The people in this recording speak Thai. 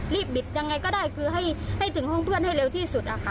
บิดยังไงก็ได้คือให้ถึงห้องเพื่อนให้เร็วที่สุดอะค่ะ